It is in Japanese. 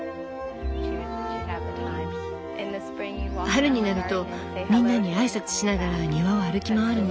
春になるとみんなに挨拶しながら庭を歩き回るの。